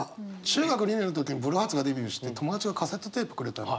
中学２年の時にブルーハーツがデビューして友達がカセットテープくれたのよ。